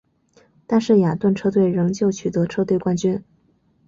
但是雅顿车队仍旧取得车队冠军。